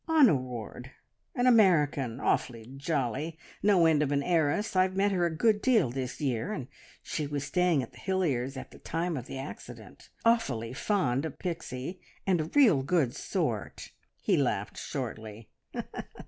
"Honor Ward an American. Awfully jolly! No end of an heiress! I've met her a good deal this year, and she was staying at the Hilliards' at the time of the accident. Awfully fond of Pixie, and a real good sort!" He laughed shortly.